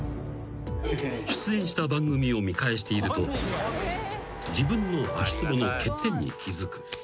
［出演した番組を見返していると自分の足つぼの欠点に気付く］